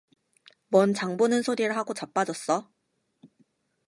뭔 장 보는 소리를 하고 자빠졌어?